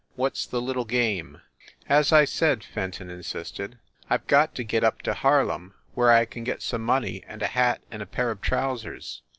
What s the little game ?" "As I said," Fenton insisted, "I ve got to get up to Harlem, where I can get some money and a hat and a pair of trousers.